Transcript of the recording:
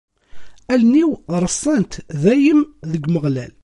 Allen-iw reṣṣant dayem deg Umeɣlal.